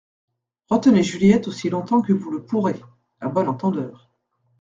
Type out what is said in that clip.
Retenez Juliette aussi longtemps que vous le pourrez. » À bon entendeur…